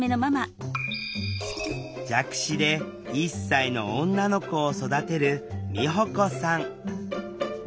弱視で１歳の女の子を育てる美保子さん